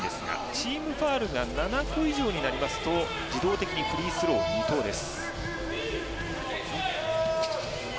チームファウルが７個以上になりますとフリースロー２投です。